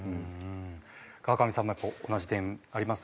川上さんも同じ点あります？